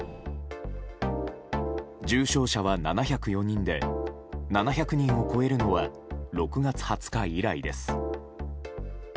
重症者は７０４人で７００人を超えるのは６月２０日以来です。